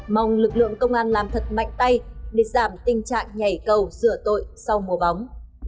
mong lực lượng công an làm thật mạnh tay để giảm tình trạng nhảy cầu sửa tội sau mùa bóng